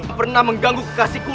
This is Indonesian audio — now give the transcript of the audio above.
jangan pernah mengganggu kekasihku